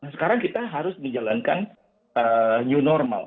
sekarang kita harus menjalankan new normal